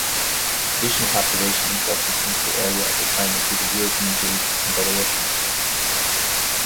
Additional population influxes into the area at this time included European Jews and Belarusians.